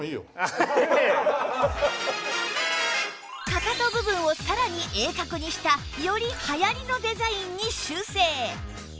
かかと部分をさらに鋭角にしたより流行りのデザインに修正